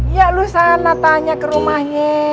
ya lu sana tanya ke rumahnya